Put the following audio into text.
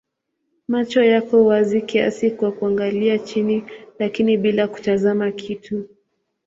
Macho yako wazi kiasi kwa kuangalia chini lakini bila kutazama kitu.